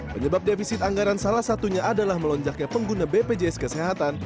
penyebab defisit anggaran salah satunya adalah melonjaknya pengguna bpjs kesehatan